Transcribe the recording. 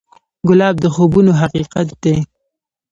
ګلاب د خوبونو حقیقت دی.